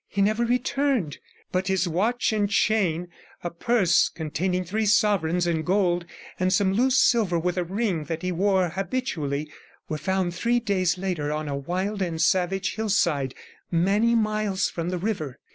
He never returned, but his watch and chain, a purse containing three sovereigns in gold, and some loose silver, with a ring that he wore habitually, were found three days later on a wild and savage hillside, many miles from the river.